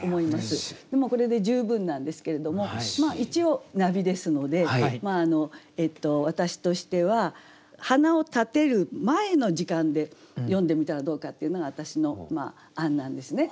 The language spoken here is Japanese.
これで十分なんですけれども一応ナビですので私としては花を立てる前の時間で詠んでみたらどうかっていうのが私の案なんですね。